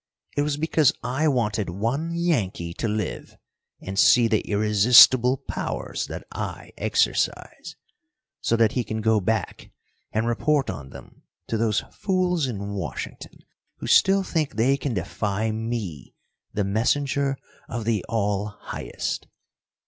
It was because I wanted one Yankee to live and see the irresistible powers that I exercise, so that he can go back and report on them to those fools in Washington who still think they can defy me, the messenger of the All Highest.